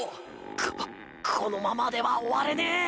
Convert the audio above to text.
ここのままでは終われねぇ。